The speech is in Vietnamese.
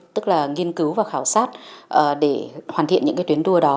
tức là nghiên cứu và khảo sát để hoàn thiện những tuyến tour đó